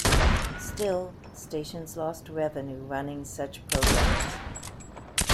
Still, stations lost revenue running such programs.